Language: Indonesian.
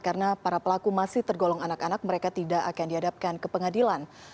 karena para pelaku masih tergolong anak anak mereka tidak akan diadapkan ke pengadilan